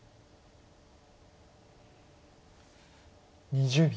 ２０秒。